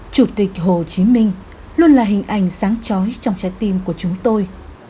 chủ tịch hồ chí minh luôn là hình ảnh sáng trói trong trái tim của chúng tôi